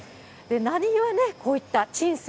何ゆえ、こういったチン！